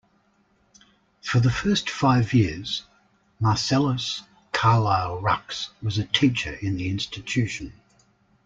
For the first five years, Marcellus Carlyle Rux was a teacher in the institution.